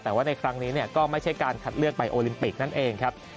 แต่ว่าในครั้งนี้ก็ไม่ใช่การคัดเลือกไปโอลิมปิกนั่นเองครับ